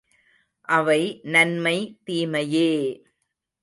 அவை நன்மை, தீமையே!